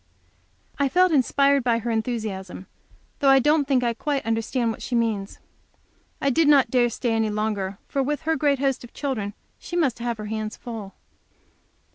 I felt inspired by her enthusiasm, though I don't think I quite understand what she means. I did not dare to stay any longer, for, with her great host of children, she must have her hands full.